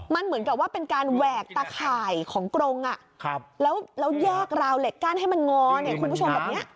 มันเหมือนกับว่าเป็นการแหวกตะข่ายของกรงแล้วแยกราวเหล็กกั้นให้มันงอเนี่ยคุณผู้ชมแบบนี้